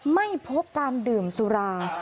ไม่พบการดื่มสุรา